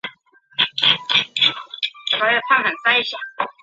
现已退隐歌坛。